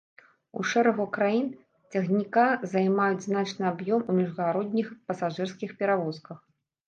У шэрагу краін цягніка займаюць значны аб'ём у міжгародніх пасажырскіх перавозках.